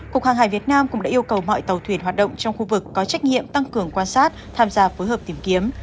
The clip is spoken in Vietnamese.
cục hàng hải việt nam cũng đã yêu cầu mọi tàu thuyền hoạt động trong khu vực có trách nhiệm tăng cường quan sát tham gia phối hợp tìm kiếm